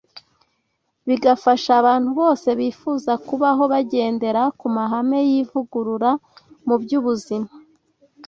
bigafasha abantu bose bifuza kubaho bagendera ku mahame y’ivugurura mu by’ubuzima